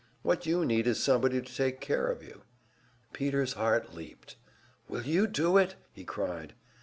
What you need is somebody to take care of you." Peter's heart leaped. "Will you do it?" he cried.